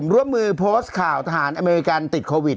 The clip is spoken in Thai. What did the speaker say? ร่วมมือโพสต์ข่าวทหารอเมริกันติดโควิด